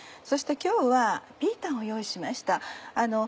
そして今日はピータンを用意しました。